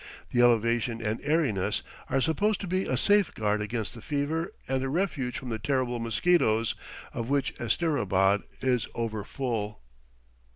The elevation and airiness are supposed to be a safeguard against the fever and a refuge from the terrible mosquitoes, of which Asterabad is over full.